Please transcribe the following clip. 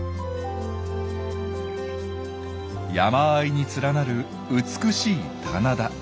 山あいに連なる美しい棚田。